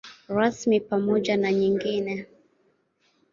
Rasmi pamoja na nyingine.